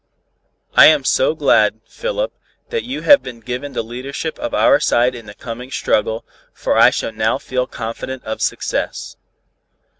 I am so glad, Philip, that you have been given the leadership of our side in the coming struggle, for I shall now feel confident of success."